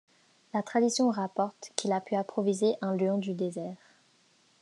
La tradition rapporte qu'il a pu apprivoiser un lion du désert.